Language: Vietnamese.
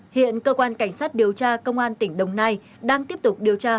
hiện cơ quan cảnh sát điều tra công an tỉnh đồng nai đang tiếp tục điều tra